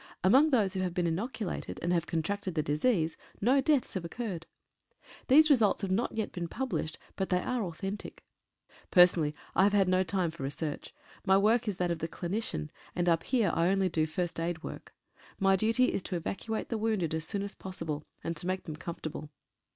Among those who have been inoculated, and have contracted the disease, no deaths have occurred. These results have not yet been published, but they are au thentic. Personally I have had no time for research. My •work is that of the clinician, and up here I only do first 32 STRAY SHELLS. aid work. My duty is to evacuate the wounded as soon as possible, and to make them comfortable.